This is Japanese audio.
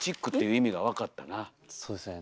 そうですね。